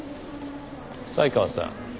犀川さん。